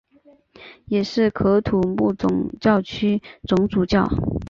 也是喀土穆总教区总主教。